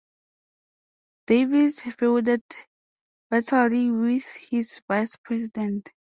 Davis feuded bitterly with his vice president.